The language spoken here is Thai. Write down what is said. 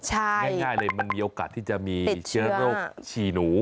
ใช่ง่ายเลยมันมีโอกาสที่จะมีเชื้อโรคฉี่หนู